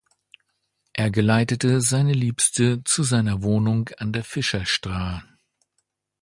Er geleitete seine Liebste zu seiner Wohnung an der Fischerstra